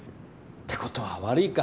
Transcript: って事は悪いか。